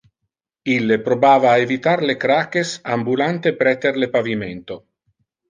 Ille probava a evitar le craches ambulante preter le pavimento.